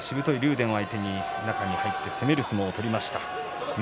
電相手に中に入って攻める相撲を取りました。